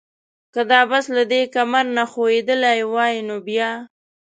که دا بس له دې کمر نه ښویېدلی وای نو بیا؟